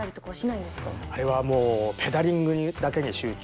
あれはもうペダリングだけに集中。